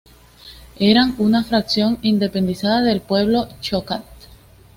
Eran una fracción independizada del pueblo choctaw.